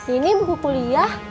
ini buku kuliah